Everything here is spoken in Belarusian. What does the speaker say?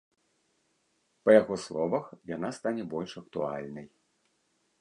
Па яго словах, яна стане больш актуальнай.